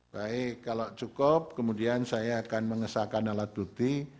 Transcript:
baik kalau cukup kemudian saya akan mengesahkan alat bukti